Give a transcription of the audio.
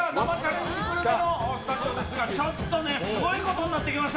グルメのスタジオですが、ちょっとね、すごいことになってきました。